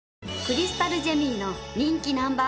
クリスタルジェミーの人気ナンバー